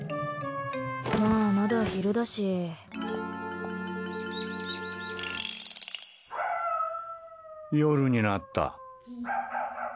まあ、まだ昼だし。夜になった。